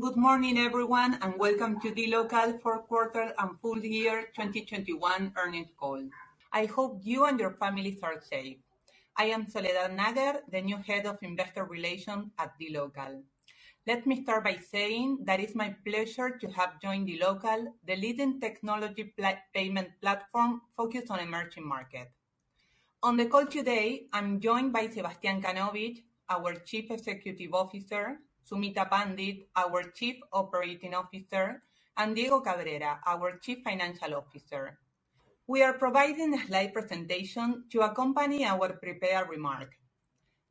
Good morning, everyone, and welcome to dLocal fourth quarter and full year 2021 earnings call. I hope you and your families are safe. I am Soledad Nager, the new Head of Investor Relations at dLocal. Let me start by saying that it's my pleasure to have joined dLocal, the leading technology payment platform focused on emerging market. On the call today, I'm joined by Sebastián Kanovich, our Chief Executive Officer, Sumita Pandit, our Chief Operating Officer, and Diego Cabrera, our Chief Financial Officer. We are providing a slide presentation to accompany our prepared remark.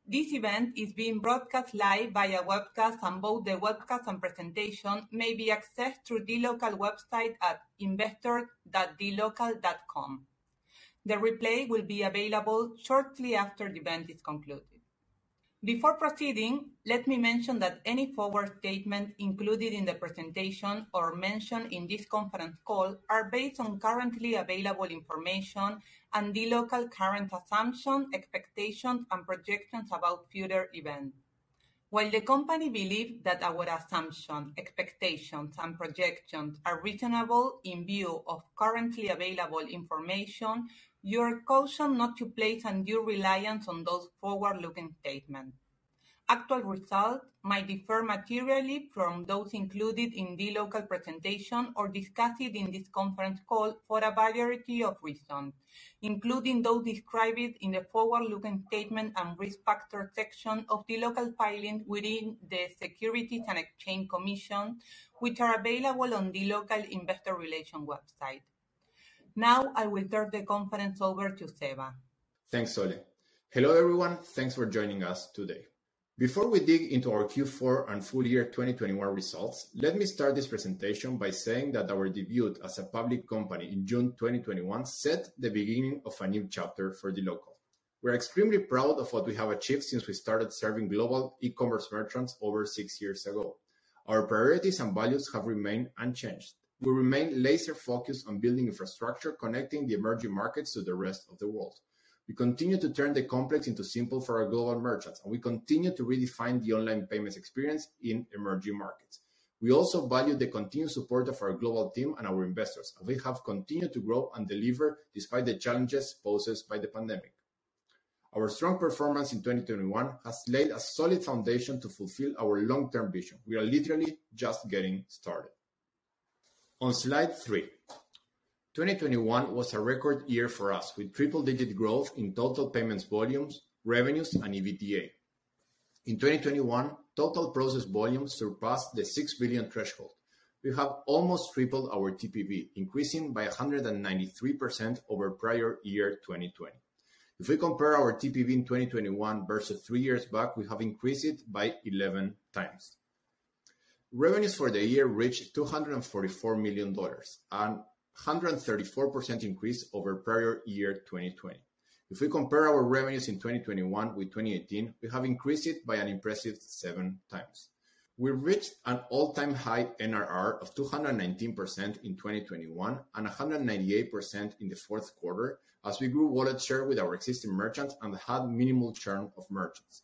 This event is being broadcast live via webcast, and both the webcast and presentation may be accessed through dLocal website at investor.dlocal.com. The replay will be available shortly after the event is concluded. Before proceeding, let me mention that any forward-looking statements included in the presentation or mentioned in this conference call are based on currently available information and dLocal's current assumptions, expectations, and projections about future events. While the company believes that our assumptions, expectations, and projections are reasonable in view of currently available information, you are cautioned not to place undue reliance on those forward-looking statements. Actual results might differ materially from those included in dLocal's presentation or discussed in this conference call for a variety of reasons, including those described in the forward-looking statement and risk factor section of dLocal's filings with the Securities and Exchange Commission, which are available on dLocal's investor relations website. Now I will turn the conference over to Seba. Thanks, Sole. Hello, everyone. Thanks for joining us today. Before we dig into our Q4 and full year 2021 results, let me start this presentation by saying that our debut as a public company in June 2021 set the beginning of a new chapter for dLocal. We're extremely proud of what we have achieved since we started serving global e-commerce merchants over six years ago. Our priorities and values have remained unchanged. We remain laser-focused on building infrastructure, connecting the emerging markets to the rest of the world. We continue to turn the complex into simple for our global merchants, and we continue to redefine the online payments experience in emerging markets. We also value the continued support of our global team and our investors, and we have continued to grow and deliver despite the challenges posed by the pandemic. Our strong performance in 2021 has laid a solid foundation to fulfill our long-term vision. We are literally just getting started. On slide 3. 2021 was a record year for us, with triple-digit growth in total payment volumes, revenues, and EBITDA. In 2021, total processed volumes surpassed the $6 billion threshold. We have almost tripled our TPV, increasing by 193% over prior year 2020. If we compare our TPV in 2021 versus three years back, we have increased it by 11x. Revenues for the year reached $244 million, a 134% increase over prior year 2020. If we compare our revenues in 2021 with 2018, we have increased it by an impressive 7x. We reached an all-time high NRR of 219% in 2021 and 198% in the fourth quarter as we grew wallet share with our existing merchants and had minimal churn of merchants.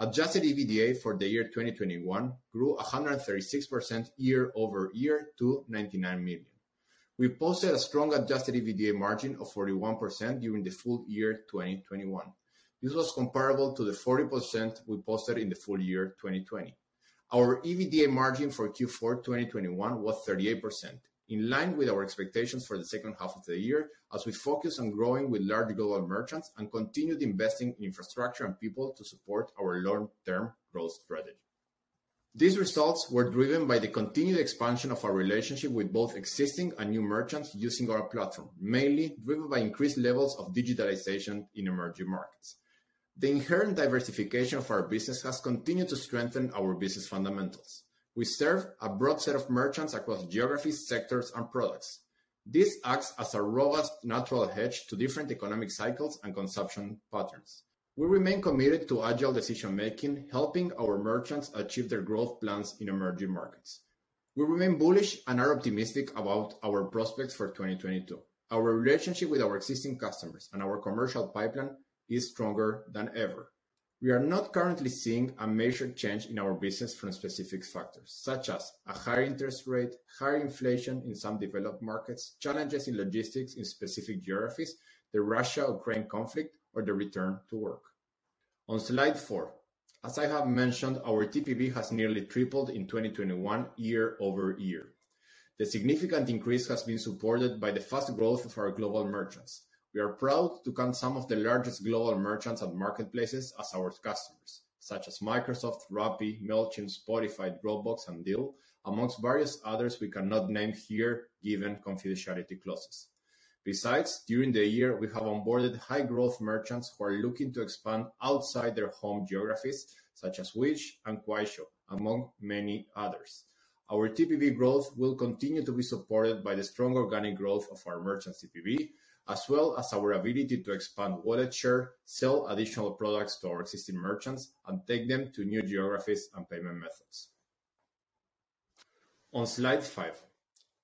Adjusted EBITDA for the year 2021 grew 136% year-over-year to $99 million. We posted a strong adjusted EBITDA margin of 41% during the full year 2021. This was comparable to the 40% we posted in the full year 2020. Our EBITDA margin for Q4 2021 was 38%, in line with our expectations for the second half of the year as we focused on growing with large global merchants and continued investing in infrastructure and people to support our long-term growth strategy. These results were driven by the continued expansion of our relationship with both existing and new merchants using our platform, mainly driven by increased levels of digitalization in emerging markets. The inherent diversification of our business has continued to strengthen our business fundamentals. We serve a broad set of merchants across geographies, sectors, and products. This acts as a robust natural hedge to different economic cycles and consumption patterns. We remain committed to agile decision-making, helping our merchants achieve their growth plans in emerging markets. We remain bullish and are optimistic about our prospects for 2022. Our relationship with our existing customers and our commercial pipeline is stronger than ever. We are not currently seeing a major change in our business from specific factors such as a higher interest rate, higher inflation in some developed markets, challenges in logistics in specific geographies, the Russia-Ukraine conflict or the return to work. On slide four. As I have mentioned, our TPV has nearly tripled in 2021 year-over-year. The significant increase has been supported by the fast growth of our global merchants. We are proud to count some of the largest global merchants and marketplaces as our customers, such as Microsoft, Rappi, Mercado Libre, Spotify, Roblox, and Deel, amongst various others we cannot name here given confidentiality clauses. Besides, during the year, we have onboarded high-growth merchants who are looking to expand outside their home geographies, such as Wish and Kuaishou, among many others. Our TPV growth will continue to be supported by the strong organic growth of our merchant TPV as well as our ability to expand wallet share, sell additional products to our existing merchants, and take them to new geographies and payment methods. On slide five.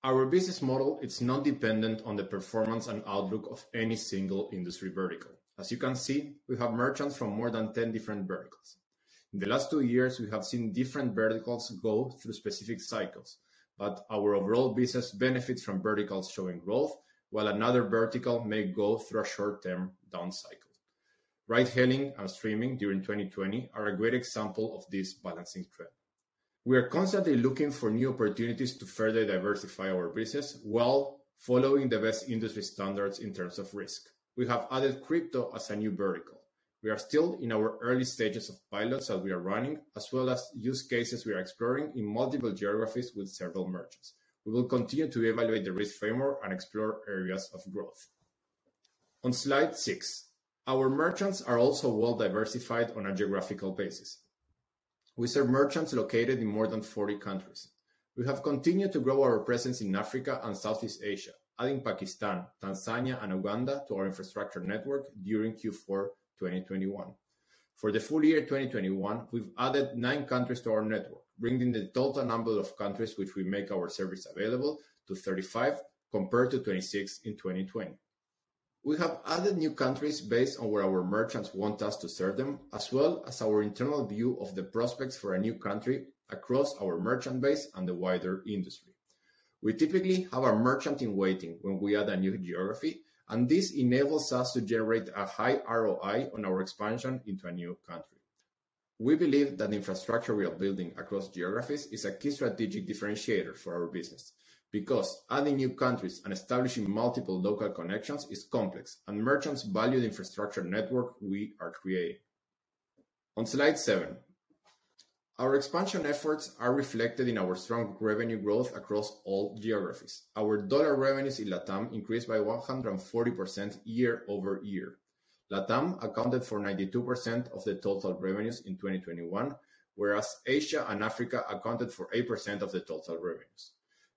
Our business model is not dependent on the performance and outlook of any single industry vertical. As you can see, we have merchants from more than 10 different verticals. In the last two years, we have seen different verticals go through specific cycles, but our overall business benefits from verticals showing growth while another vertical may go through a short-term down cycle. Ride-hailing and streaming during 2020 are a great example of this balancing trend. We are constantly looking for new opportunities to further diversify our business while following the best industry standards in terms of risk. We have added crypto as a new vertical. We are still in our early stages of pilots that we are running, as well as use cases we are exploring in multiple geographies with several merchants. We will continue to evaluate the risk framework and explore areas of growth. On slide six. Our merchants are also well diversified on a geographical basis. We serve merchants located in more than 40 countries. We have continued to grow our presence in Africa and Southeast Asia, adding Pakistan, Tanzania, and Uganda to our infrastructure network during Q4 2021. For the full year 2021, we've added nine countries to our network, bringing the total number of countries which we make our service available to 35 compared to 26 in 2020. We have added new countries based on where our merchants want us to serve them, as well as our internal view of the prospects for a new country across our merchant base and the wider industry. We typically have our merchant in waiting when we add a new geography, and this enables us to generate a high ROI on our expansion into a new country. We believe that the infrastructure we are building across geographies is a key strategic differentiator for our business because adding new countries and establishing multiple local connections is complex, and merchants value the infrastructure network we are creating. On slide seven. Our expansion efforts are reflected in our strong revenue growth across all geographies. Our dollar revenues in LATAM increased by 140% year-over-year. LATAM accounted for 92% of the total revenues in 2021, whereas Asia and Africa accounted for 8% of the total revenues.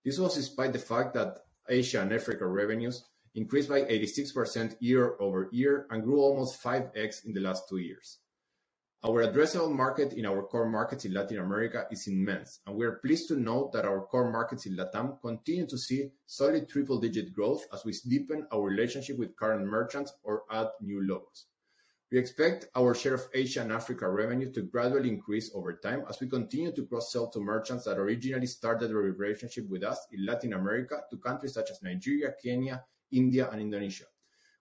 This was despite the fact that Asia and Africa revenues increased by 86% year-over-year and grew almost 5x in the last two years. Our addressable market in our core markets in Latin America is immense, and we are pleased to note that our core markets in LATAM continue to see solid triple-digit growth as we deepen our relationship with current merchants or add new locals. We expect our share of Asia and Africa revenue to gradually increase over time as we continue to cross-sell to merchants that originally started their relationship with us in Latin America to countries such as Nigeria, Kenya, India, and Indonesia.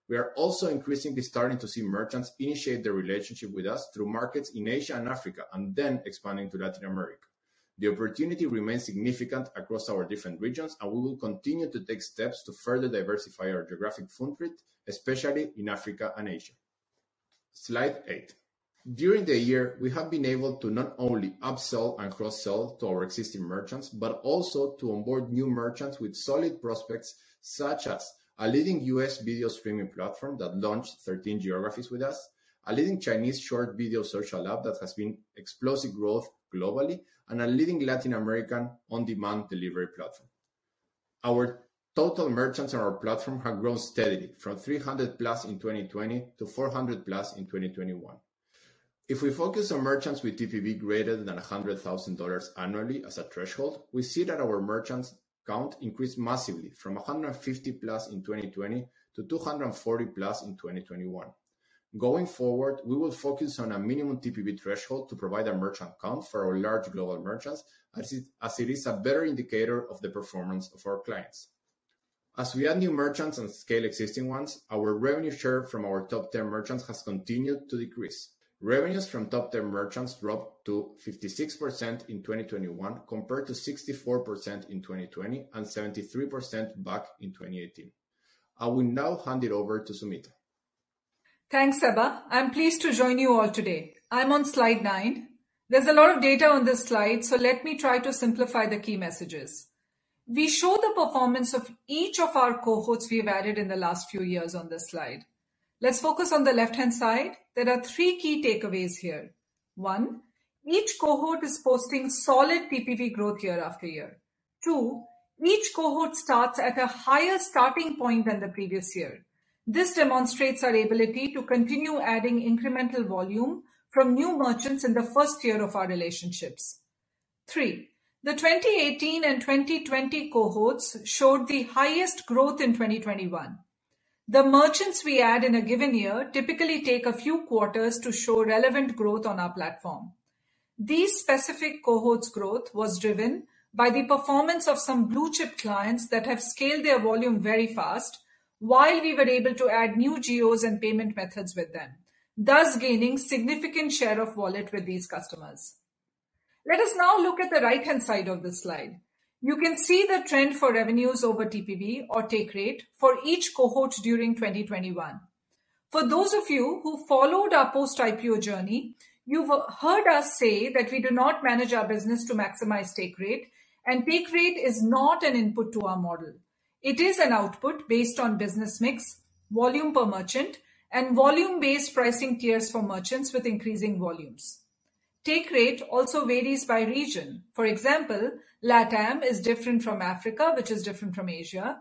We are also increasingly starting to see merchants initiate their relationship with us through markets in Asia and Africa and then expanding to Latin America. The opportunity remains significant across our different regions, and we will continue to take steps to further diversify our geographic footprint, especially in Africa and Asia. Slide eight. During the year, we have been able to not only upsell and cross-sell to our existing merchants but also to onboard new merchants with solid prospects, such as a leading U.S. video streaming platform that launched 13 geographies with us, a leading Chinese short video social app that has seen explosive growth globally, and a leading Latin American on-demand delivery platform. Our total merchants on our platform have grown steadily from 300+ in 2020 to 400+ in 2021. If we focus on merchants with TPV greater than $100,000 annually as a threshold, we see that our merchants count increased massively from 150+ in 2020 to 240+ in 2021. Going forward, we will focus on a minimum TPV threshold to provide a merchant count for our large global merchants as it is a better indicator of the performance of our clients. As we add new merchants and scale existing ones, our revenue share from our top 10 merchants has continued to decrease. Revenues from top 10 merchants dropped to 56% in 2021 compared to 64% in 2020 and 73% back in 2018. I will now hand it over to Sumita. Thanks, Seba. I'm pleased to join you all today. I'm on slide nine. There's a lot of data on this slide, so let me try to simplify the key messages. We show the performance of each of our cohorts we've added in the last few years on this slide. Let's focus on the left-hand side. There are three key takeaways here. One, each cohort is posting solid TPV growth year after year. Two, each cohort starts at a higher starting point than the previous year. This demonstrates our ability to continue adding incremental volume from new merchants in the first year of our relationships. Three, the 2018 and 2020 cohorts showed the highest growth in 2021. The merchants we add in a given year typically take a few quarters to show relevant growth on our platform. These specific cohorts growth was driven by the performance of some blue-chip clients that have scaled their volume very fast while we were able to add new geos and payment methods with them, thus gaining significant share of wallet with these customers. Let us now look at the right-hand side of this slide. You can see the trend for revenues over TPV or take rate for each cohort during 2021. For those of you who followed our post-IPO journey, you've heard us say that we do not manage our business to maximize take rate, and take rate is not an input to our model. It is an output based on business mix, volume per merchant, and volume-based pricing tiers for merchants with increasing volumes. Take rate also varies by region. For example, LATAM is different from Africa, which is different from Asia,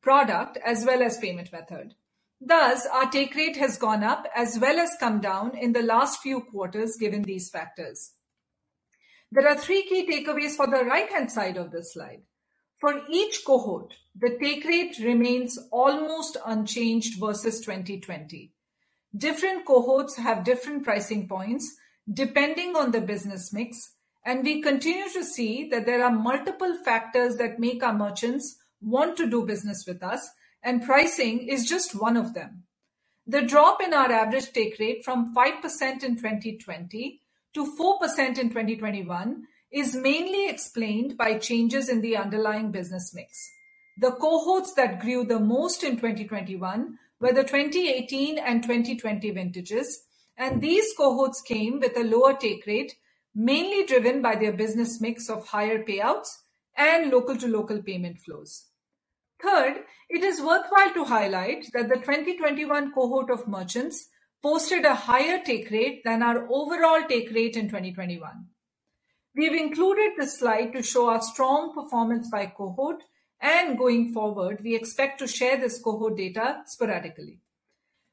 product as well as payment method. Thus, our take rate has gone up as well as come down in the last few quarters given these factors. There are three key takeaways for the right-hand side of this slide. For each cohort, the take rate remains almost unchanged versus 2020. Different cohorts have different pricing points depending on the business mix, and we continue to see that there are multiple factors that make our merchants want to do business with us, and pricing is just one of them. The drop in our average take rate from 5% in 2020 to 4% in 2021 is mainly explained by changes in the underlying business mix. The cohorts that grew the most in 2021 were the 2018 and 2020 vintages, and these cohorts came with a lower take rate, mainly driven by their business mix of higher payouts and local-to-local payment flows. Third, it is worthwhile to highlight that the 2021 cohort of merchants posted a higher take rate than our overall take rate in 2021. We've included this slide to show our strong performance by cohort, and going forward, we expect to share this cohort data sporadically.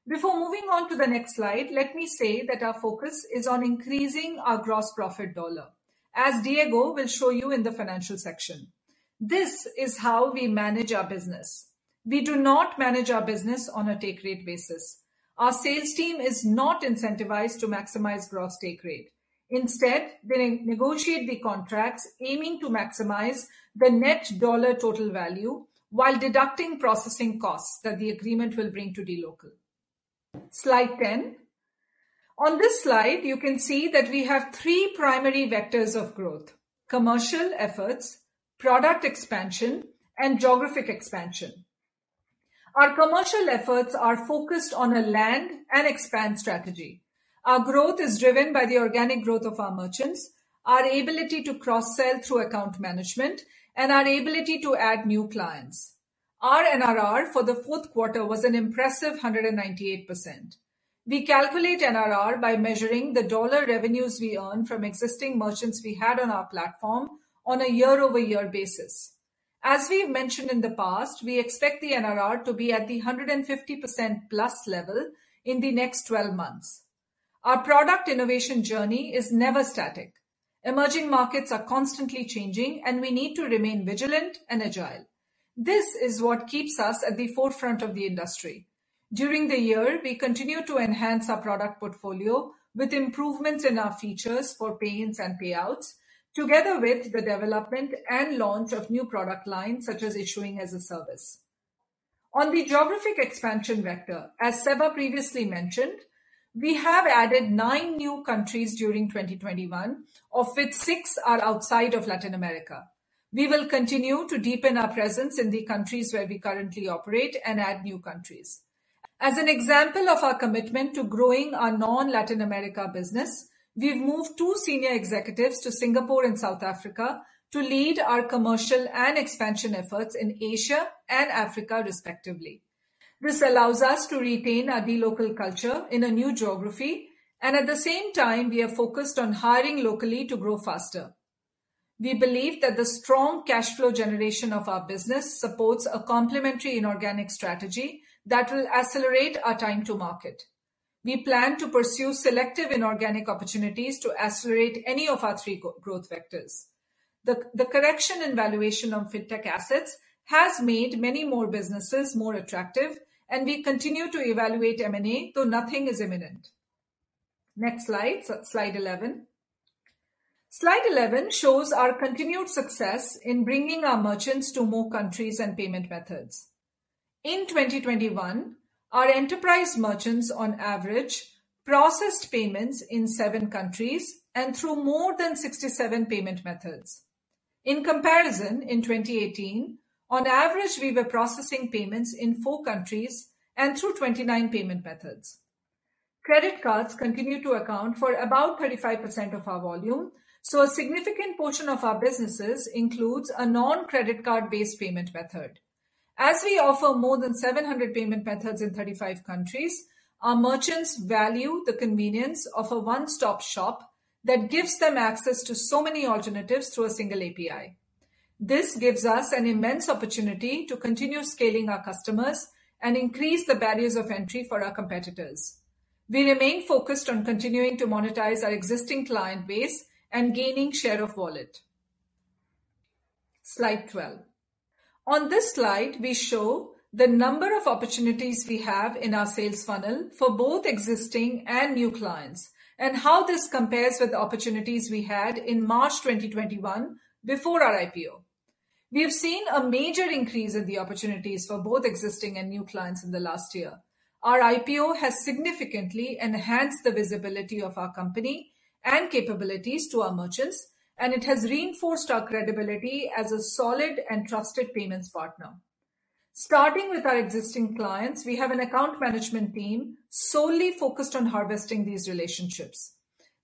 Before moving on to the next slide, let me say that our focus is on increasing our gross profit dollar, as Diego will show you in the financial section. This is how we manage our business. We do not manage our business on a take rate basis. Our sales team is not incentivized to maximize gross take rate. Instead, they negotiate the contracts aiming to maximize the net dollar total value while deducting processing costs that the agreement will bring to dLocal. Slide 10. On this slide, you can see that we have three primary vectors of growth, commercial efforts, product expansion, and geographic expansion. Our commercial efforts are focused on a land and expand strategy. Our growth is driven by the organic growth of our merchants, our ability to cross-sell through account management, and our ability to add new clients. Our NRR for the fourth quarter was an impressive 198%. We calculate NRR by measuring the dollar revenues we earn from existing merchants we had on our platform on a year-over-year basis. As we have mentioned in the past, we expect the NRR to be at the 150%+ level in the next twelve months. Our product innovation journey is never static. Emerging markets are constantly changing, and we need to remain vigilant and agile. This is what keeps us at the forefront of the industry. During the year, we continued to enhance our product portfolio with improvements in our features for payments and payouts, together with the development and launch of new product lines, such as issuing as a service. On the geographic expansion vector, as Seba previously mentioned, we have added nine new countries during 2021, of which six are outside of Latin America. We will continue to deepen our presence in the countries where we currently operate and add new countries. As an example of our commitment to growing our non-Latin America business, we've moved two senior executives to Singapore and South Africa to lead our commercial and expansion efforts in Asia and Africa, respectively. This allows us to retain our dLocal culture in a new geography, and at the same time, we are focused on hiring locally to grow faster. We believe that the strong cash flow generation of our business supports a complementary inorganic strategy that will accelerate our time to market. We plan to pursue selective inorganic opportunities to accelerate any of our three growth vectors. The correction and valuation of FinTech assets has made many more businesses more attractive, and we continue to evaluate M&A, though nothing is imminent. Next slide. Slide eleven shows our continued success in bringing our merchants to more countries and payment methods. In 2021, our enterprise merchants on average processed payments in seven countries and through more than 67 payment methods. In comparison, in 2018, on average, we were processing payments in four countries and through 29 payment methods. Credit cards continue to account for about 35% of our volume, so a significant portion of our businesses includes a non-credit card-based payment method. As we offer more than 700 payment methods in 35 countries, our merchants value the convenience of a one-stop shop that gives them access to so many alternatives through a single API. This gives us an immense opportunity to continue scaling our customers and increase the barriers of entry for our competitors. We remain focused on continuing to monetize our existing client base and gaining share of wallet. Slide 12. On this slide, we show the number of opportunities we have in our sales funnel for both existing and new clients, and how this compares with the opportunities we had in March 2021 before our IPO. We have seen a major increase in the opportunities for both existing and new clients in the last year. Our IPO has significantly enhanced the visibility of our company and capabilities to our merchants, and it has reinforced our credibility as a solid and trusted payments partner. Starting with our existing clients, we have an account management team solely focused on harvesting these relationships.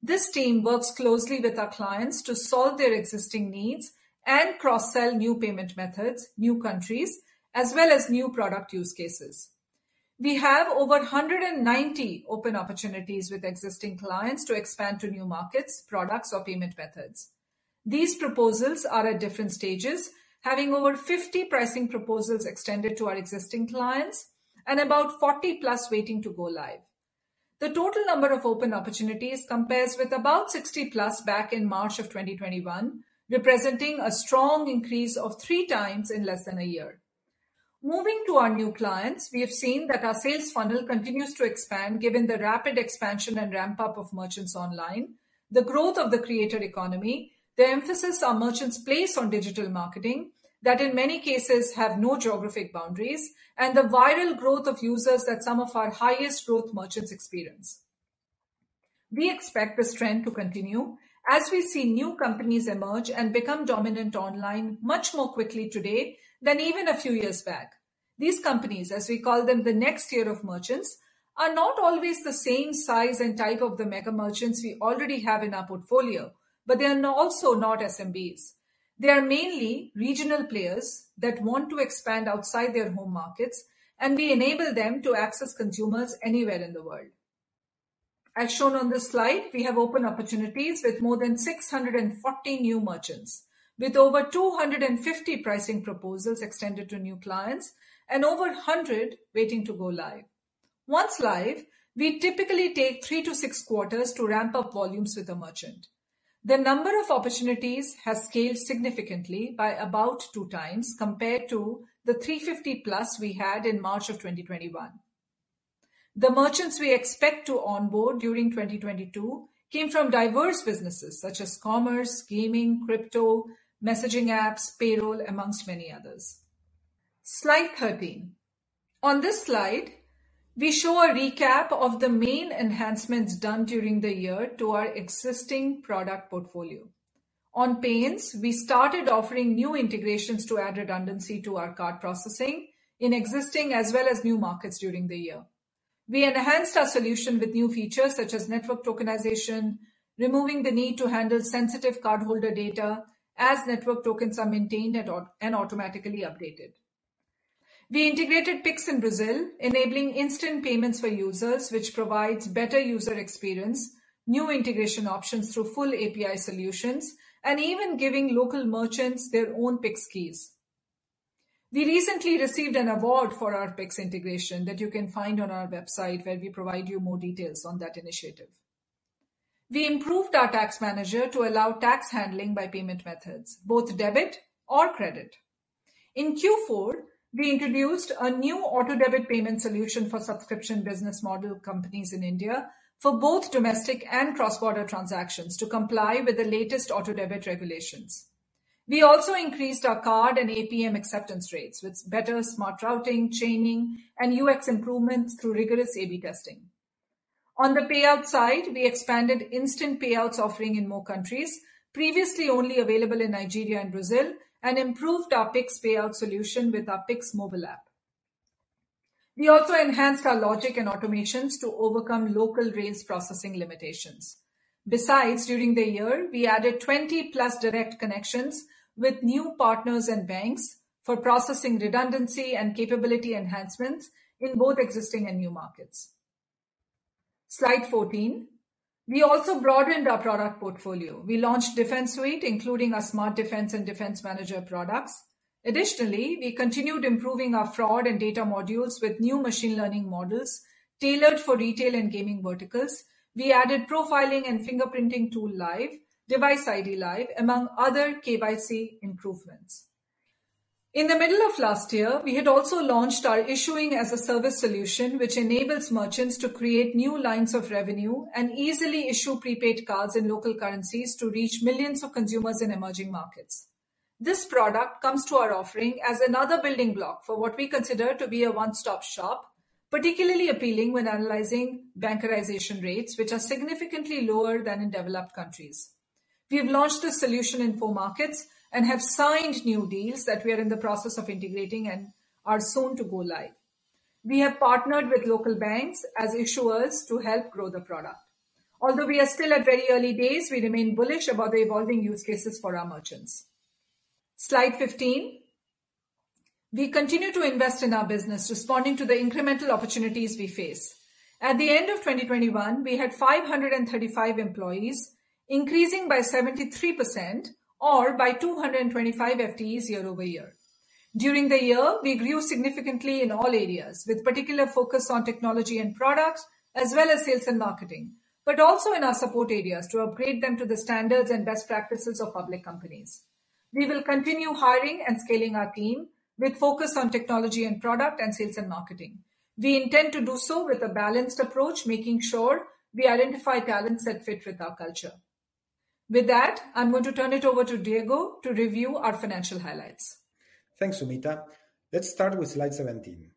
This team works closely with our clients to solve their existing needs and cross-sell new payment methods, new countries, as well as new product use cases. We have over 190 open opportunities with existing clients to expand to new markets, products or payment methods. These proposals are at different stages, having over 50 pricing proposals extended to our existing clients and about 40+ waiting to go live. The total number of open opportunities compares with about 60+ back in March of 2021, representing a strong increase of three times in less than a year. Moving to our new clients, we have seen that our sales funnel continues to expand given the rapid expansion and ramp up of merchants online, the growth of the creator economy, the emphasis our merchants place on digital marketing that in many cases have no geographic boundaries, and the viral growth of users that some of our highest growth merchants experience. We expect this trend to continue as we see new companies emerge and become dominant online much more quickly today than even a few years back. These companies, as we call them, the next tier of merchants, are not always the same size and type as the mega merchants we already have in our portfolio, but they are also not SMBs. They are mainly regional players that want to expand outside their home markets, and we enable them to access consumers anywhere in the world. As shown on this slide, we have open opportunities with more than 640 new merchants, with over 250 pricing proposals extended to new clients and over 100 waiting to go live. Once live, we typically take three to six quarters to ramp up volumes with a merchant. The number of opportunities has scaled significantly by about two times compared to the 350+ we had in March 2021. The merchants we expect to onboard during 2022 came from diverse businesses such as commerce, gaming, crypto, messaging apps, payroll, among many others. Slide 13. On this slide, we show a recap of the main enhancements done during the year to our existing product portfolio. On payments, we started offering new integrations to add redundancy to our card processing in existing as well as new markets during the year. We enhanced our solution with new features such as network tokenization, removing the need to handle sensitive cardholder data as network tokens are maintained and automatically updated. We integrated Pix in Brazil, enabling instant payments for users, which provides better user experience, new integration options through full API solutions, and even giving local merchants their own Pix keys. We recently received an award for our Pix integration that you can find on our website, where we provide you more details on that initiative. We improved our tax manager to allow tax handling by payment methods, both debit or credit. In Q4, we introduced a new auto debit payment solution for subscription business model companies in India for both domestic and cross-border transactions to comply with the latest auto debit regulations. We also increased our card and ATM acceptance rates with better smart routing, chaining, and UX improvements through rigorous A/B testing. On the payout side, we expanded instant payouts offering in more countries previously only available in Nigeria and Brazil, and improved our Pix payout solution with our Pix mobile app. We also enhanced our logic and automations to overcome local rails processing limitations. Besides, during the year, we added 20+ direct connections with new partners and banks for processing redundancy and capability enhancements in both existing and new markets. Slide 14. We also broadened our product portfolio. We launched Defense Suite, including our Smart Defense and Defense Manager products. Additionally, we continued improving our fraud and data modules with new machine learning models tailored for retail and gaming verticals. We added profiling and fingerprinting tool live, device ID live, among other KYC improvements. In the middle of last year, we had also launched our Issuing-as-a-Service solution, which enables merchants to create new lines of revenue and easily issue prepaid cards in local currencies to reach millions of consumers in emerging markets. This product comes to our offering as another building block for what we consider to be a one-stop shop, particularly appealing when analyzing bankerization rates, which are significantly lower than in developed countries. We have launched this solution in four markets and have signed new deals that we are in the process of integrating and are soon to go live. We have partnered with local banks as issuers to help grow the product. Although we are still at very early days, we remain bullish about the evolving use cases for our merchants. Slide 15. We continue to invest in our business, responding to the incremental opportunities we face. At the end of 2021, we had 535 employees, increasing by 73% or by 225 FTEs year-over-year. During the year, we grew significantly in all areas, with particular focus on technology and products as well as sales and marketing, but also in our support areas to upgrade them to the standards and best practices of public companies. We will continue hiring and scaling our team with focus on technology and product and sales and marketing. We intend to do so with a balanced approach, making sure we identify talents that fit with our culture. With that, I'm going to turn it over to Diego to review our financial highlights. Thanks, Sumita. Let's start with slide 17.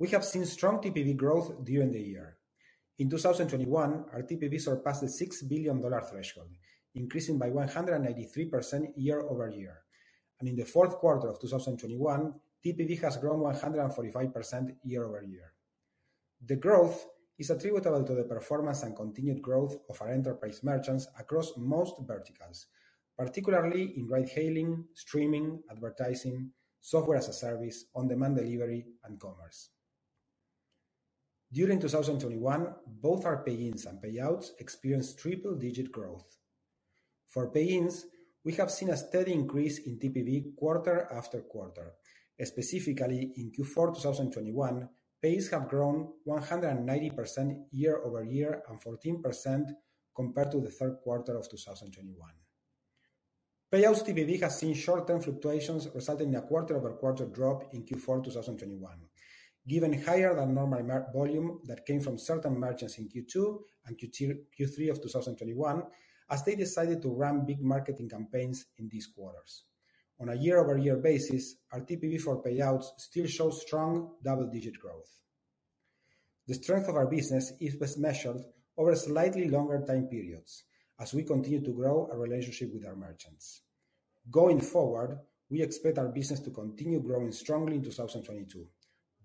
We have seen strong TPV growth during the year. In 2021, our TPV surpassed the $6 billion threshold, increasing by 183% year-over-year. In the fourth quarter of 2021, TPV has grown 145% year-over-year. The growth is attributable to the performance and continued growth of our enterprise merchants across most verticals, particularly in ride-hailing, streaming, advertising, software as a service, on-demand delivery, and commerce. During 2021, both our pay-ins and payouts experienced triple-digit growth. For pay-ins, we have seen a steady increase in TPV quarter after quarter, specifically in Q4 2021, pay-ins have grown 190% year-over-year and 14% compared to the third quarter of 2021. Payouts TPV has seen short-term fluctuations resulting in a quarter-over-quarter drop in Q4 2021, given higher than normal merchant volume that came from certain merchants in Q2 and Q3 of 2021, as they decided to run big marketing campaigns in these quarters. On a year-over-year basis, our TPV for payouts still shows strong double-digit growth. The strength of our business is best measured over slightly longer time periods as we continue to grow our relationship with our merchants. Going forward, we expect our business to continue growing strongly in 2022,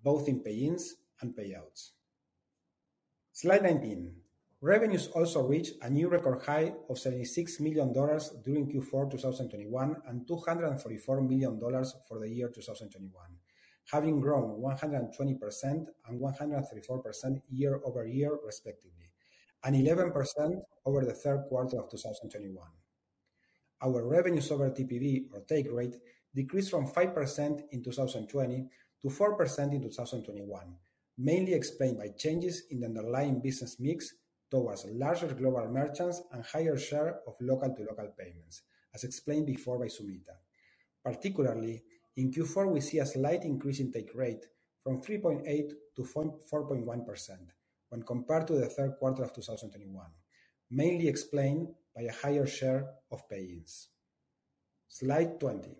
both in pay-ins and payouts. Slide 19. Revenues also reached a new record high of $76 million during Q4 2021 and $244 million for the year 2021, having grown 120% and 134% year-over-year respectively, and 11% over the third quarter of 2021. Our revenues over TPV or take rate decreased from 5% in 2020 to 4% in 2021, mainly explained by changes in the underlying business mix towards larger global merchants and higher share of local-to-local payments, as explained before by Sumita. Particularly, in Q4 we see a slight increase in take rate from 3.8% to 4.1% when compared to the third quarter of 2021, mainly explained by a higher share of pay-ins. Slide 20.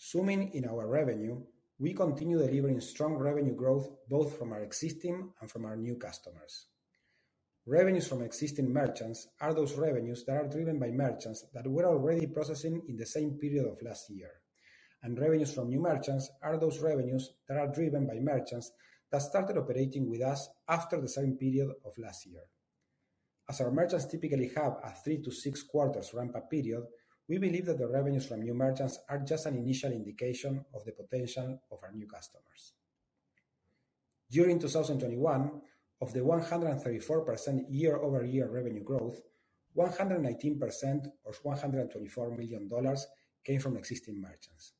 Zooming in on our revenue, we continue delivering strong revenue growth both from our existing and from our new customers. Revenues from existing merchants are those revenues that are driven by merchants that were already processing in the same period of last year. Revenues from new merchants are those revenues that are driven by merchants that started operating with us after the same period of last year. As our merchants typically have a three to six quarters ramp-up period, we believe that the revenues from new merchants are just an initial indication of the potential of our new customers. During 2021, of the 134% year-over-year revenue growth, 119% or $124 million came from existing merchants,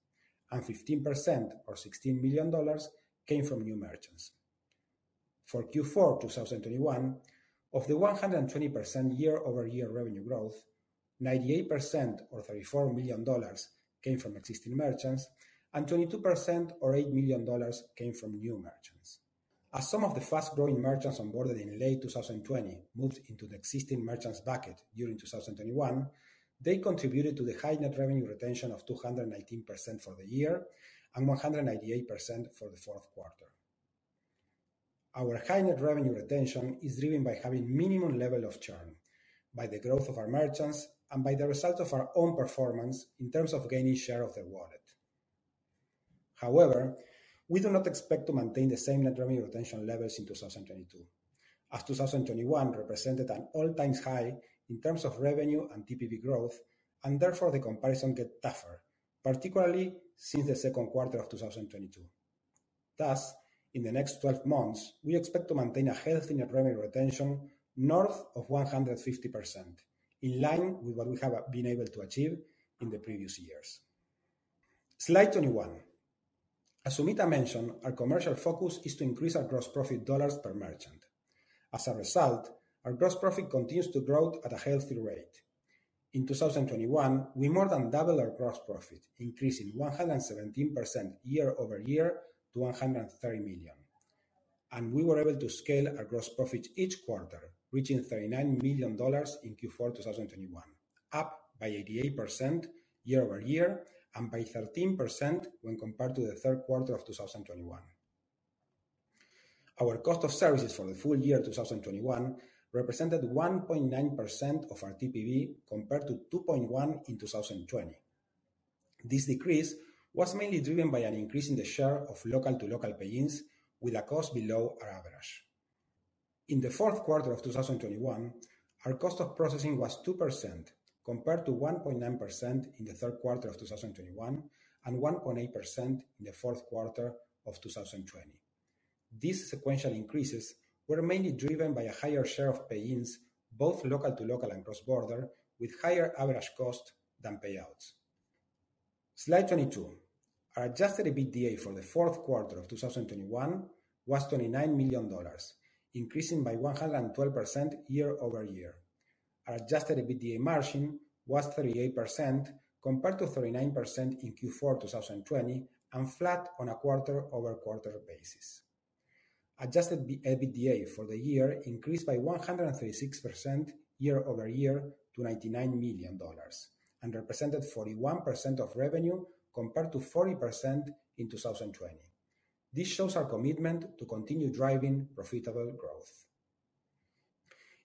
and 15% or $16 million came from new merchants. For Q4 2021, of the 120% year-over-year revenue growth, 98% or $34 million came from existing merchants, and 22% or $8 million came from new merchants. Some of the fast-growing merchants onboarded in late 2020 moved into the existing merchants bucket during 2021. They contributed to the high net revenue retention of 219% for the year and 198% for the fourth quarter. Our high net revenue retention is driven by having minimum level of churn, by the growth of our merchants, and by the result of our own performance in terms of gaining share of the wallet. However, we do not expect to maintain the same net revenue retention levels in 2022, as 2021 represented an all-time high in terms of revenue and TPV growth, and therefore the comparison get tougher, particularly since the second quarter of 2022. Thus, in the next 12 months, we expect to maintain a healthy net revenue retention north of 150%, in line with what we have been able to achieve in the previous years. Slide 21. As Sumita mentioned, our commercial focus is to increase our gross profit dollars per merchant. As a result, our gross profit continues to grow at a healthy rate. In 2021, we more than doubled our gross profit, increasing 117% year-over-year to $130 million. We were able to scale our gross profit each quarter, reaching $39 million in Q4 2021, up by 88% year-over-year and by 13% when compared to the third quarter of 2021. Our cost of services for the full year 2021 represented 1.9% of our TPV, compared to 2.1% in 2020. This decrease was mainly driven by an increase in the share of local-to-local pay-ins with a cost below our average. In the fourth quarter of 2021, our cost of processing was 2% compared to 1.9% in the third quarter of 2021 and 1.8% in the fourth quarter of 2020. These sequential increases were mainly driven by a higher share of pay-ins, both local-to-local and cross-border, with higher average cost than payouts. Slide 22. Our adjusted EBITDA for the fourth quarter of 2021 was $29 million, increasing by 112% year-over-year. Our adjusted EBITDA margin was 38% compared to 39% in Q4 2020 and flat on a quarter-over-quarter basis. Adjusted EBITDA for the year increased by 136% year-over-year to $99 million and represented 41% of revenue compared to 40% in 2020. This shows our commitment to continue driving profitable growth.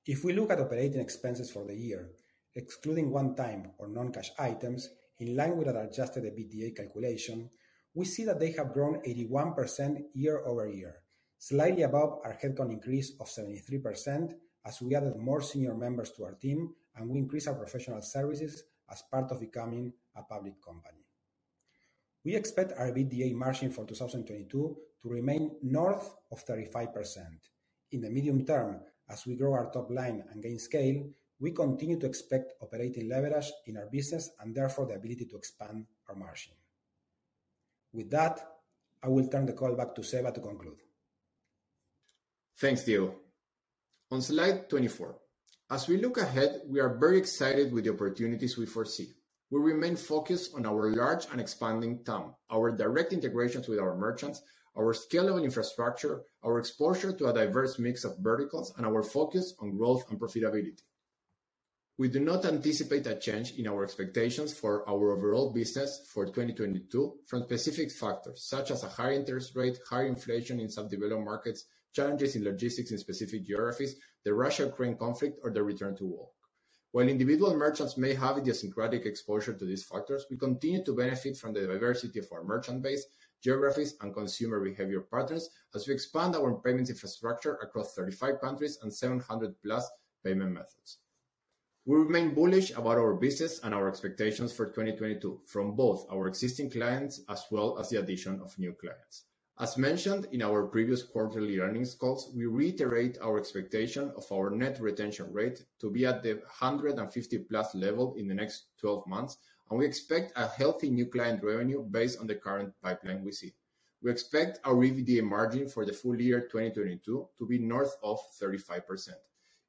If we look at operating expenses for the year, excluding one time or non-cash items in line with our adjusted EBITDA calculation, we see that they have grown 81% year-over-year, slightly above our headcount increase of 73%, as we added more senior members to our team and we increased our professional services as part of becoming a public company. We expect our EBITDA margin for 2022 to remain north of 35%. In the medium term, as we grow our top line and gain scale, we continue to expect operating leverage in our business and therefore the ability to expand our margin. With that, I will turn the call back to Seba to conclude. Thanks, Diego. On slide 24. As we look ahead, we are very excited with the opportunities we foresee. We remain focused on our large and expanding TAM, our direct integrations with our merchants, our scalable infrastructure, our exposure to a diverse mix of verticals, and our focus on growth and profitability. We do not anticipate a change in our expectations for our overall business for 2022 from specific factors such as a high interest rate, high inflation in some developed markets, challenges in logistics in specific geographies, the Russia-Ukraine conflict or the return to work. While individual merchants may have idiosyncratic exposure to these factors, we continue to benefit from the diversity of our merchant base, geographies, and consumer behavior patterns as we expand our payments infrastructure across 35 countries and 700+ payment methods. We remain bullish about our business and our expectations for 2022 from both our existing clients as well as the addition of new clients. As mentioned in our previous quarterly earnings calls, we reiterate our expectation of our net retention rate to be at the 150+ level in the next 12 months, and we expect a healthy new client revenue based on the current pipeline we see. We expect our EBITDA margin for the full year 2022 to be north of 35%.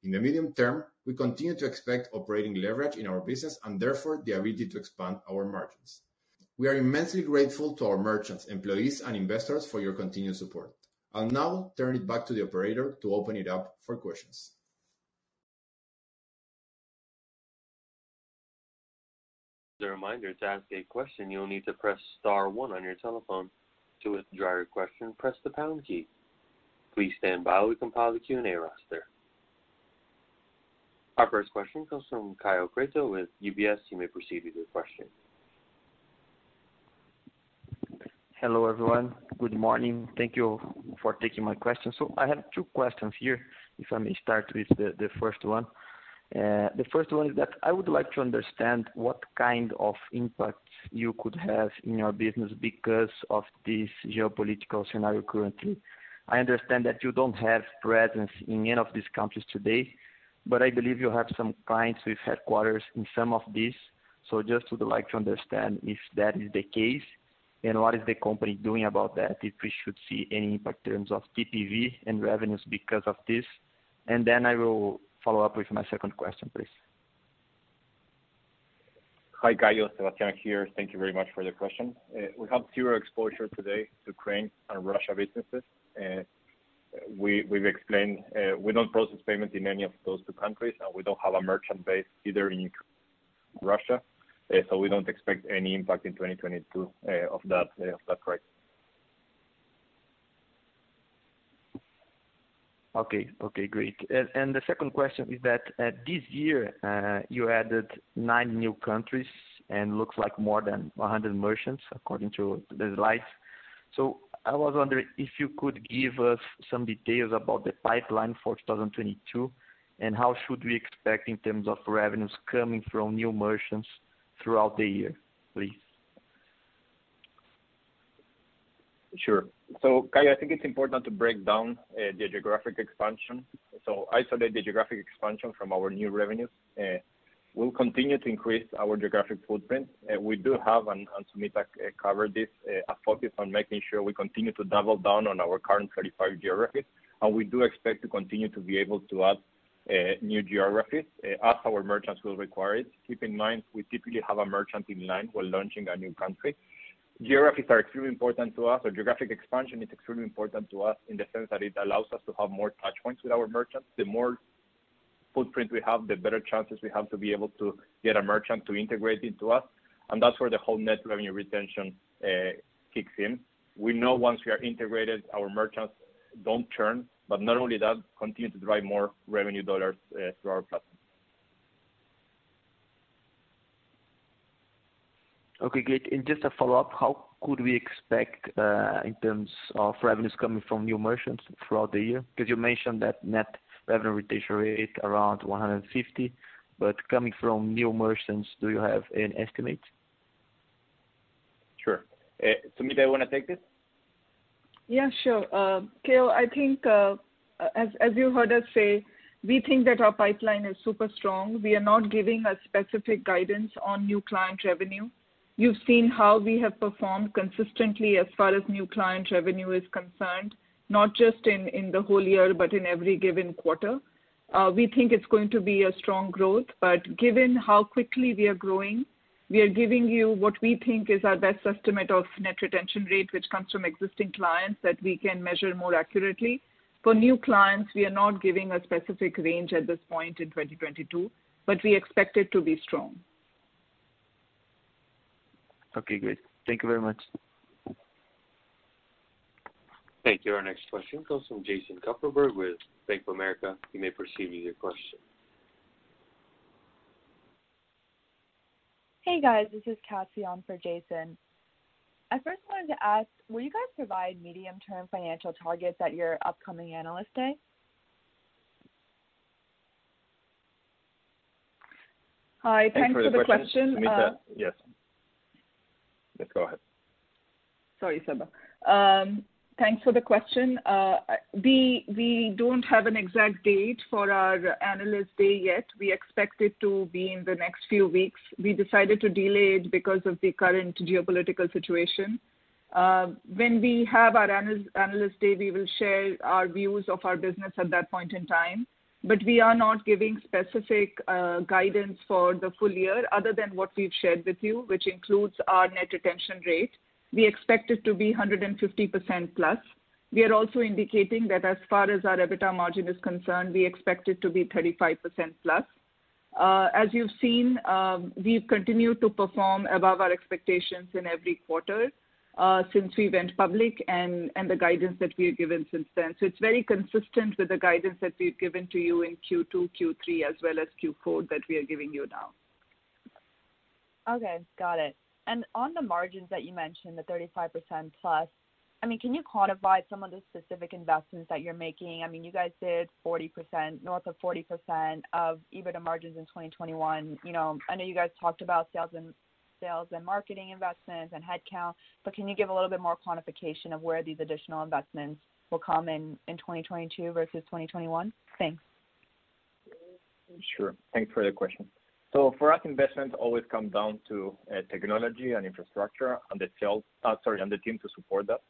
In the medium term, we continue to expect operating leverage in our business and therefore the ability to expand our margins. We are immensely grateful to our merchants, employees, and investors for your continued support. I'll now turn it back to the operator to open it up for questions. As a reminder, to ask a question, you'll need to press star one on your telephone. To withdraw your question, press the pound key. Please stand by while we compile the Q&A roster. Our first question comes from Kaio Prato with UBS. You may proceed with your question. Hello, everyone. Good morning. Thank you for taking my question. I have two questions here, if I may start with the first one. The first one is that I would like to understand what kind of impact you could have in your business because of this geopolitical scenario currently. I understand that you don't have presence in any of these countries today, but I believe you have some clients with headquarters in some of these. Just would like to understand if that is the case, and what is the company doing about that, if we should see any impact in terms of TPV and revenues because of this. Then I will follow up with my second question, please. Hi, Kaio. Sebastián here. Thank you very much for your question. We have zero exposure today to Ukraine and Russia businesses. We've explained, we don't process payments in any of those two countries, and we don't have a merchant base either in Russia. We don't expect any impact in 2022 of that. Is that correct? Okay, great. The second question is that this year you added nine new countries and it looks like more than 100 merchants according to the slides. I was wondering if you could give us some details about the pipeline for 2022, and how should we expect in terms of revenues coming from new merchants throughout the year, please? Sure. Kaio, I think it's important to break down the geographic expansion. Isolate the geographic expansion from our new revenues. We'll continue to increase our geographic footprint. We do have, and Sumita covered this, a focus on making sure we continue to double down on our current 35 geographies. We do expect to continue to be able to add new geographies as our merchants will require it. Keep in mind, we typically have a merchant in line when launching a new country. Geographies are extremely important to us, or geographic expansion is extremely important to us in the sense that it allows us to have more touch points with our merchants. The more footprint we have, the better chances we have to be able to get a merchant to integrate into us. That's where the whole net revenue retention kicks in. We know once we are integrated, our merchants don't churn, but not only that, continue to drive more revenue dollars through our platform. Okay, great. Just a follow-up, how could we expect in terms of revenues coming from new merchants throughout the year? Because you mentioned that net revenue retention rate around 150, but coming from new merchants, do you have an estimate? Sure. Sumita, you wanna take this? Yeah, sure. Kaio, I think as you heard us say, we think that our pipeline is super strong. We are not giving a specific guidance on new client revenue. You've seen how we have performed consistently as far as new client revenue is concerned, not just in the whole year, but in every given quarter. We think it's going to be a strong growth, but given how quickly we are growing, we are giving you what we think is our best estimate of net retention rate, which comes from existing clients that we can measure more accurately. For new clients, we are not giving a specific range at this point in 2022, but we expect it to be strong. Okay, great. Thank you very much. Thank you. Our next question comes from Jason Kupferberg with Bank of America. You may proceed with your question. Hey, guys. This is Cassie on for Jason. I first wanted to ask, will you guys provide medium-term financial targets at your upcoming Analyst Day? Hi. Thanks for the question. Thanks for the question. Sumita? Yes. Yes, go ahead. Sorry, Sebastián. Thanks for the question. We don't have an exact date for our Analyst Day yet. We expect it to be in the next few weeks. We decided to delay it because of the current geopolitical situation. When we have our Analyst Day, we will share our views of our business at that point in time, but we are not giving specific guidance for the full year other than what we've shared with you, which includes our net retention rate. We expect it to be 150%+. We are also indicating that as far as our EBITDA margin is concerned, we expect it to be 35%+. As you've seen, we've continued to perform above our expectations in every quarter since we went public and the guidance that we have given since then. It's very consistent with the guidance that we've given to you in Q2, Q3, as well as Q4 that we are giving you now. Okay, got it. On the margins that you mentioned, the 35%+, I mean, can you quantify some of the specific investments that you're making? I mean, you guys did 40%, north of 40% of EBITDA margins in 2021. You know, I know you guys talked about sales and marketing investments and headcount, but can you give a little bit more quantification of where these additional investments will come in 2022 versus 2021? Thanks. Sure. Thanks for the question. For us, investments always come down to, technology and infrastructure on the team to support that.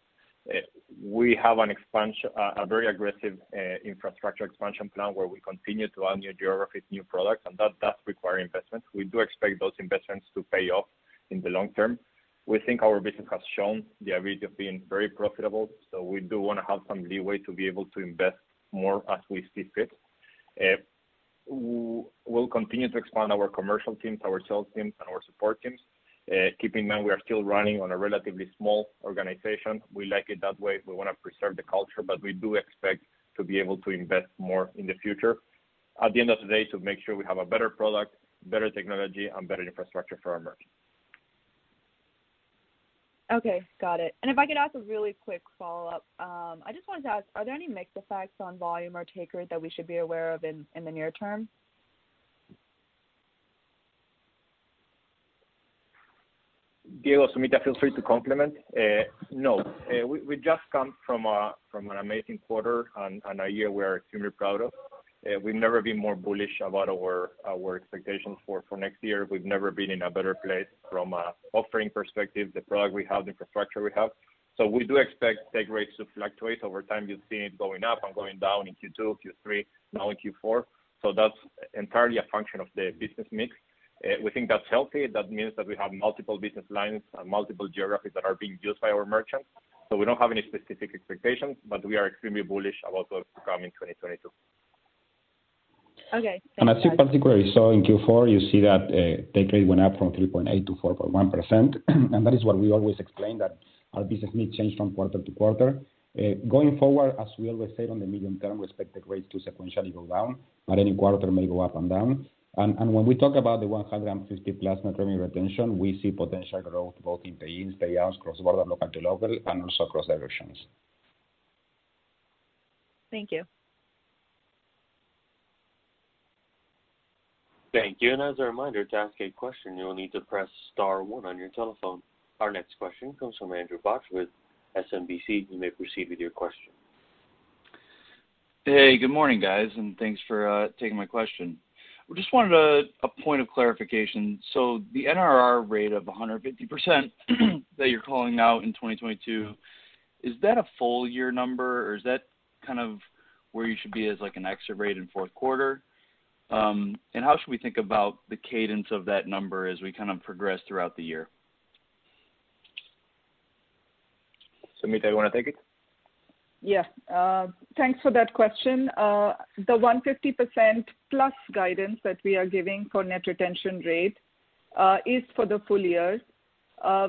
We have a very aggressive infrastructure expansion plan where we continue to add new geographies, new products, and that does require investments. We do expect those investments to pay off in the long term. We think our business has shown the ability of being very profitable, so we do wanna have some leeway to be able to invest more as we see fit. We'll continue to expand our commercial teams, our sales teams, and our support teams, keeping in mind we are still running on a relatively small organization. We like it that way. We wanna preserve the culture, but we do expect to be able to invest more in the future at the end of the day to make sure we have a better product, better technology, and better infrastructure for our merchants. Okay, got it. If I could ask a really quick follow-up. I just wanted to ask, are there any mix effects on volume or take rate that we should be aware of in the near term? Diego, Sumita, feel free to comment. We've just come from an amazing quarter and a year we're extremely proud of. We've never been more bullish about our expectations for next year. We've never been in a better place from an offering perspective, the product we have, the infrastructure we have. We do expect take rates to fluctuate over time. You've seen it going up and going down in Q2, Q3, now in Q4. That's entirely a function of the business mix. We think that's healthy. That means that we have multiple business lines and multiple geographies that are being used by our merchants. We don't have any specific expectations, but we are extremely bullish about what's to come in 2022. Okay. Thanks guys. I think particularly so in Q4, you see that Take rate went up from 3.8% to 4.1%, and that is why we always explain that our business may change from quarter to quarter. Going forward, as we always said on the medium term, we expect the rates to sequentially go down, but any quarter may go up and down. When we talk about the 150+ net revenue retention, we see potential growth both in Pay-ins, Payouts, Cross-border, Local-to-local, and also cross directions. Thank you. Thank you. As a reminder, to ask a question, you will need to press star one on your telephone. Our next question comes from Andrew Bauch with SMBC. You may proceed with your question. Hey, good morning, guys, and thanks for taking my question. We just wanted a point of clarification. The NRR rate of 150% that you're calling out in 2022, is that a full year number, or is that kind of where you should be as, like, an exit rate in fourth quarter? And how should we think about the cadence of that number as we kind of progress throughout the year? Sumita, you wanna take it? Yeah. Thanks for that question. The 150%+ guidance that we are giving for net retention rate is for the full year.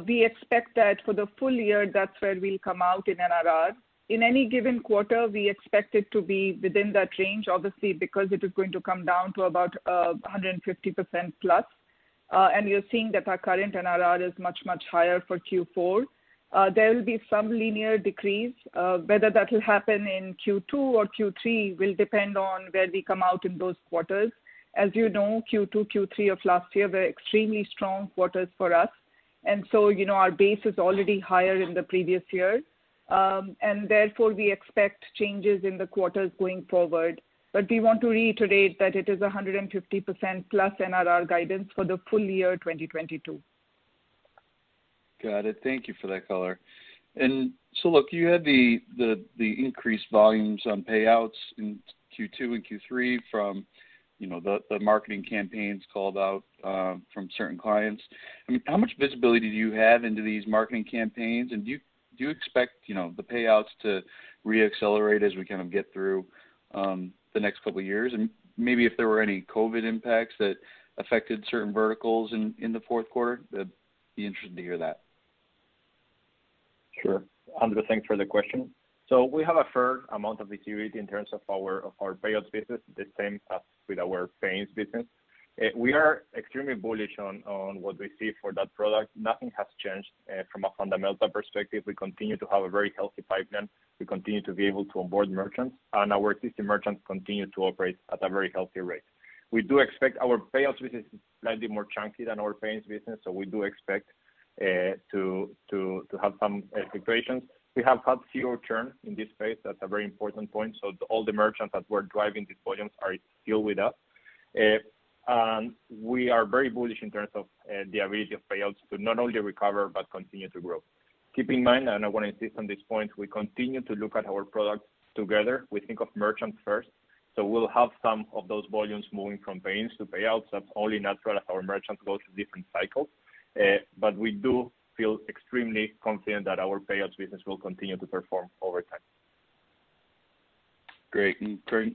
We expect that for the full year, that's where we'll come out in NRR. In any given quarter, we expect it to be within that range, obviously, because it is going to come down to about a 150%+. You're seeing that our current NRR is much, much higher for Q4. There will be some linear decrease. Whether that will happen in Q2 or Q3 will depend on where we come out in those quarters. As you know, Q2, Q3 of last year were extremely strong quarters for us. You know, our base is already higher in the previous year. Therefore, we expect changes in the quarters going forward. We want to reiterate that it is 150% plus NRR guidance for the full year 2022. Got it. Thank you for that color. Look, you had the increased volumes on payouts in Q2 and Q3 from, you know, the marketing campaigns called out from certain clients. I mean, how much visibility do you have into these marketing campaigns? Do you expect, you know, the payouts to reaccelerate as we kind of get through the next couple of years? Maybe if there were any COVID impacts that affected certain verticals in the fourth quarter, that'd be interesting to hear that. Sure. Andrew, thanks for the question. We have a fair amount of activity in terms of our payouts business, the same as with our payments business. We are extremely bullish on what we see for that product. Nothing has changed from a fundamental perspective. We continue to have a very healthy pipeline. We continue to be able to onboard merchants, and our existing merchants continue to operate at a very healthy rate. We do expect our payouts business to be slightly more chunky than our payments business, so we do expect to have some situations. We have had zero churn in this space. That's a very important point. All the merchants that were driving these volumes are still with us. We are very bullish in terms of the ability of payouts to not only recover but continue to grow. Keep in mind, I wanna insist on this point, we continue to look at our products together. We think of merchants first. We'll have some of those volumes moving from payments to payouts. That's only natural as our merchants go through different cycles. We do feel extremely confident that our payouts business will continue to perform over time. Great.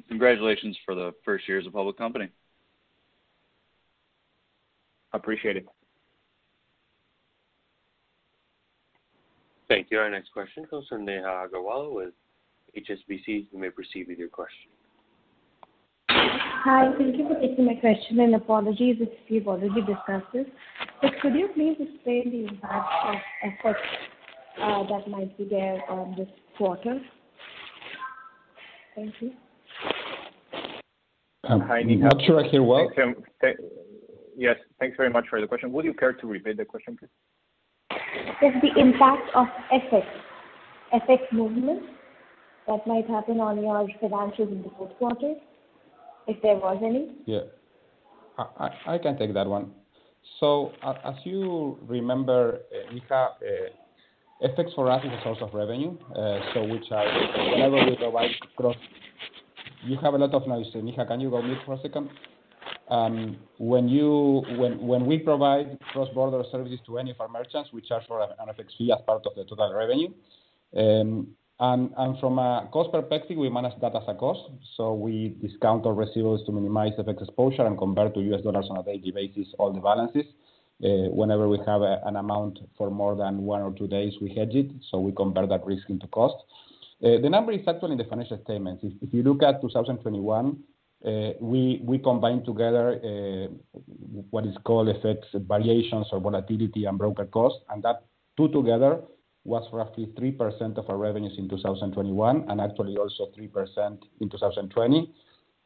Congratulations for the first year as a public company. Appreciate it. Thank you. Our next question comes from Neha Agarwal with HSBC. You may proceed with your question. Hi. Thank you for taking my question, and apologies if you've already discussed this. Could you please explain the impact of FX that might be there this quarter? Thank you. Hi, Neha. I'm not sure I hear well. Yes. Thanks very much for the question. Would you care to repeat the question, please? Just the impact of FX movement that might happen on your financials in the fourth quarter, if there was any? Yeah. I can take that one. As you remember, Neha, FX for us is a source of revenue. You have a lot of noise, Neha. Can you mute for a second? When we provide cross-border services to any of our merchants, we charge for an FX fee as part of the total revenue. From a cost perspective, we manage that as a cost, so we discount our receivables to minimize FX exposure and convert to U.S. dollars on a daily basis all the balances. Whenever we have an amount for more than one or two days, we hedge it, so we convert that risk into cost. The number is actually in the financial statements. If you look at 2021, we combined together what is called FX variations or volatility and broker costs, and those two together was roughly 3% of our revenues in 2021 and actually also 3% in 2020.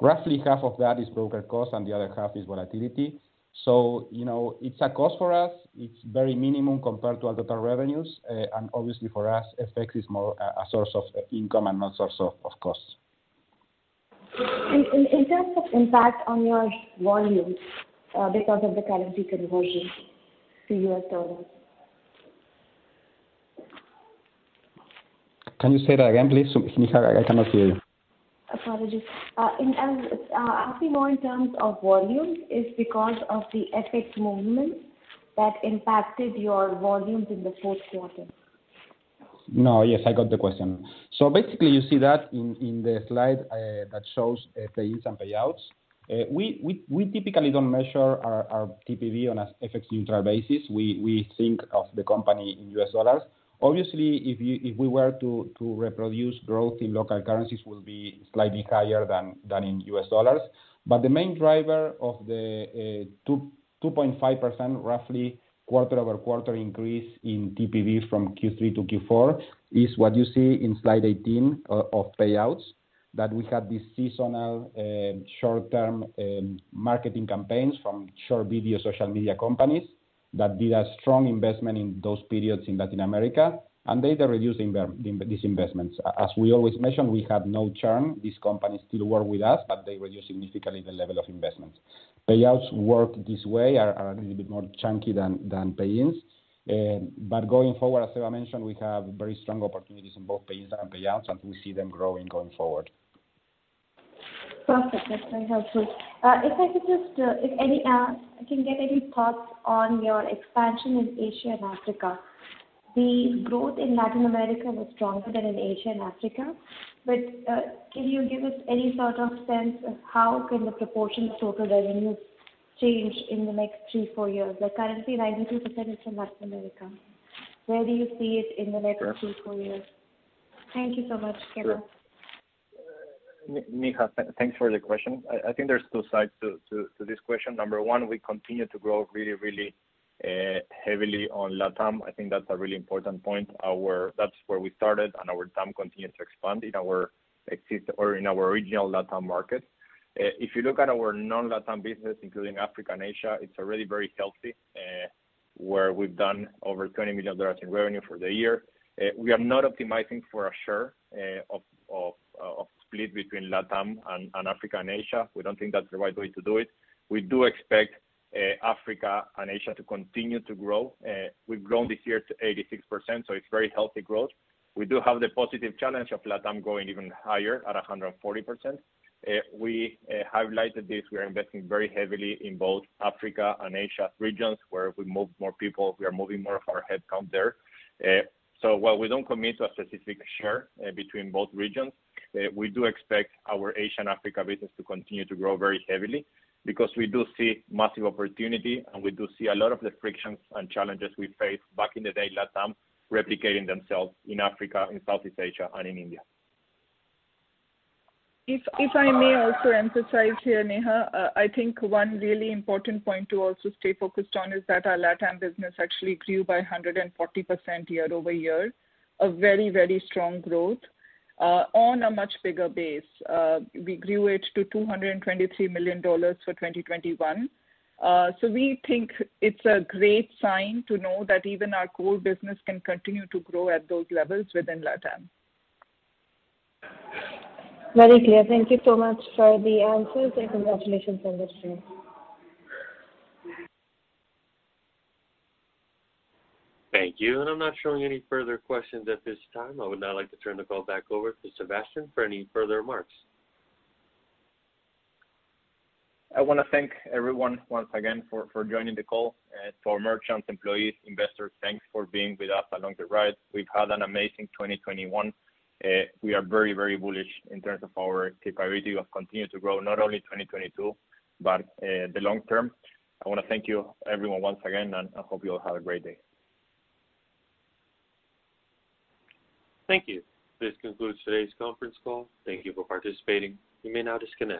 Roughly half of that is broker costs and the other half is volatility. You know, it's a cost for us. It's very minimum compared to our total revenues. And obviously for us, FX is more a source of income and not source of costs. In terms of impact on your volumes, because of the currency conversion to U.S. dollars. Can you say that again, please, Neha? I cannot hear you. Apologies. In asking more in terms of volumes, is because of the FX movement that impacted your volumes in the fourth quarter? No. Yes, I got the question. Basically you see that in the slide that shows pay-ins and payouts. We typically don't measure our TPV on a FX neutral basis. We think of the company in U.S. dollars. Obviously, if we were to reproduce growth in local currencies will be slightly higher than in U.S. dollars. The main driver of the 2.5% roughly quarter-over-quarter increase in TPV from Q3 to Q4 is what you see in slide 18 of payouts, that we had these seasonal short-term marketing campaigns from short video social media companies that did a strong investment in those periods in Latin America, and they are reducing their investments. As we always mention, we have no churn. These companies still work with us, but they reduce significantly the level of investment. Payouts work this way, are a little bit more chunky than pay-ins. Going forward, as Seba mentioned, we have very strong opportunities in both pay-ins and payouts, and we see them growing going forward. Perfect. That's very helpful. If I can get any thoughts on your expansion in Asia and Africa. The growth in Latin America was stronger than in Asia and Africa, but can you give us any sort of sense of how can the proportion of total revenues change in the next three to four years? Like, currently 92% is from Latin America. Where do you see it in the next two to four years? Thank you so much. Over. Sure. Neha, thanks for the question. I think there's two sides to this question. Number one, we continue to grow really heavily on LatAm. I think that's a really important point. That's where we started, and our team continues to expand in our existing or in our original LatAm markets. If you look at our non-LatAm business, including Africa and Asia, it's already very healthy, where we've done over $20 million in revenue for the year. We are not optimizing for a share of split between LatAm and Africa and Asia. We don't think that's the right way to do it. We do expect Africa and Asia to continue to grow. We've grown this year to 86%, so it's very healthy growth. We do have the positive challenge of LatAm going even higher at 140%. We highlighted this. We are investing very heavily in both Africa and Asia regions, where we move more people. We are moving more of our headcount there. While we don't commit to a specific share between both regions, we do expect our Asia and Africa business to continue to grow very heavily because we do see massive opportunity, and we do see a lot of the frictions and challenges we faced back in the day in LatAm replicating themselves in Africa, in Southeast Asia, and in India. I may also emphasize here, Neha, I think one really important point to also stay focused on is that our LatAm business actually grew by 140% year-over-year, a very, very strong growth, on a much bigger base. We grew it to $223 million for 2021. We think it's a great sign to know that even our core business can continue to grow at those levels within LatAm. Very clear. Thank you so much for the answers and congratulations on this, too. Thank you. I'm not showing any further questions at this time. I would now like to turn the call back over to Sebastián for any further remarks. I wanna thank everyone once again for joining the call. For merchants, employees, investors, thanks for being with us along the ride. We've had an amazing 2021. We are very, very bullish in terms of our capability of continuing to grow, not only in 2022 but the long term. I wanna thank you everyone once again, and I hope you all have a great day. Thank you. This concludes today's conference call. Thank you for participating. You may now disconnect.